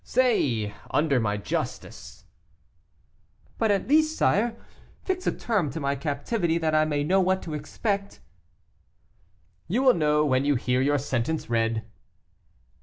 "Say, under my justice." "But, at least, sire, fix a term to my captivity, that I may know what to expect?" "You will know when you hear your sentence read."